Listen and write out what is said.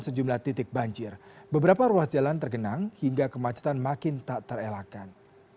sejumlah titik banjir beberapa ruas jalan tergenang hingga kemacetan makin tak terelakkan